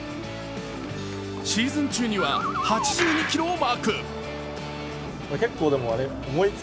シーズン中には８２キロをマーク。